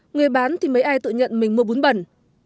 người bán thì mấy ai tự nhận mình mua bún bẩn